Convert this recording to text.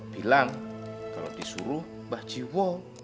bilang kalau disuruh mbah ciwo